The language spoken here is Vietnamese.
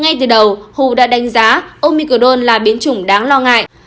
ngay từ đầu who đã đánh giá omicron là biến chủng đáng lo ngại